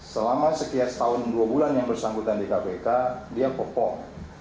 selama sekian tahun dua bulan yang bersangkutan di kpk dia perform